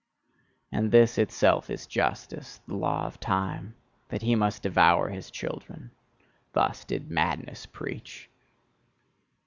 "And this itself is justice, the law of time that he must devour his children:" thus did madness preach.